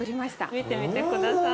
見てみて下さい。